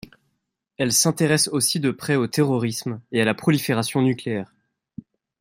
Elle s'intéresse aussi de près au terrorisme et à la prolifération nucléaire.